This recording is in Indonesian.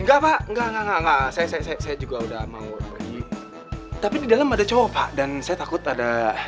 enggak pak enggak enggak enggak saya juga udah mau pergi tapi di dalam ada coba pak dan saya takut ada